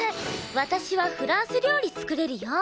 私はフランス料理作れるよ。